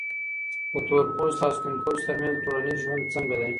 د تورپوستو او سپین پوستو ترمنځ ټولنیز ژوند څنګه دی؟